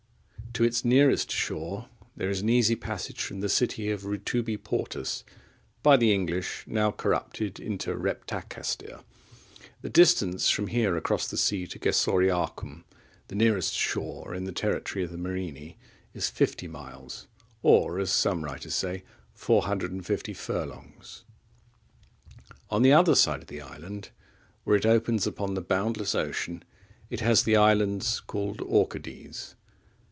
To its nearest shore there is an easy passage from the city of Rutubi Portus, by the English now corrupted into Reptacaestir.(23) The distance from here across the sea to Gessoriacum,(24) the nearest shore in the territory of the Morini,(25) is fifty miles, or as some writers say, 450 furlongs. On the other side of the island, where it opens upon the boundless ocean, it has the islands called Orcades.